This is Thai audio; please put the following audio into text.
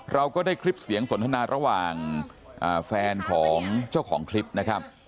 เราก็ได้คลิปเสียงสนทนาระหว่างแฟนของเจ้าของคลิปนะครับ